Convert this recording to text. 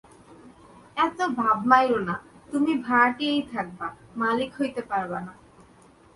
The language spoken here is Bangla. এত ভাব মাইরো না, তুমি ভাড়াটিয়াই থাকবা, মালিক হইতে পারবা না।